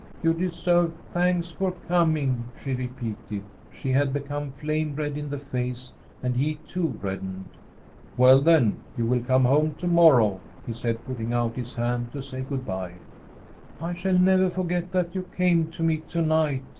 "You deserve thanks for coming," she repeated. She had become flame red in the face, and he too reddened. "Well, then, you will come home to morrow," he said, putting out his hand to say good bye. "I shall never forget that you came to me to night!"